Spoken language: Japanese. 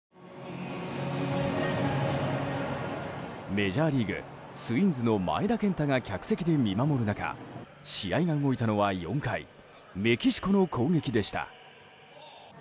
メジャーリーグ、ツインズの前田健太が客席で見守る中試合が動いたのは４回メキシコの攻撃でした。